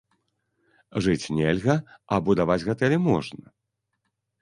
Жыць нельга, а будаваць гатэлі можна?!